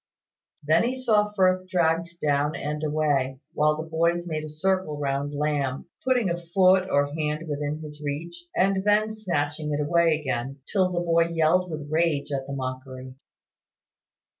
Then he saw Firth dragged down and away, while the boys made a circle round Lamb, putting a foot or hand within his reach, and then snatching it away again, till the boy yelled with rage at the mockery.